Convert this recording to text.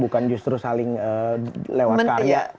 bukan justru saling lewat karya